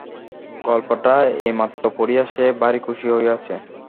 গল্পটা এইমাত্র পড়িয়া সে ভারি খুশি হইয়াছে।